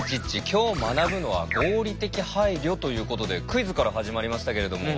今日学ぶのは「合理的配慮」ということでクイズから始まりましたけれども。